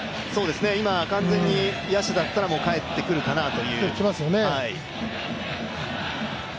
今完全に野手だったら帰ってくるかなと。